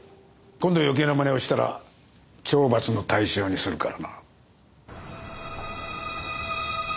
今度余計なまねをしたら懲罰の対象にするからな。